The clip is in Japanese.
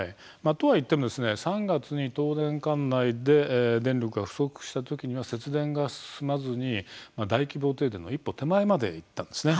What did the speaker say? とはいっても３月に東電管内で電力が不足したときには節電が進まずに大規模停電の一歩手前までいったんです。